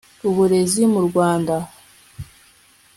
uburezi mu Rwanda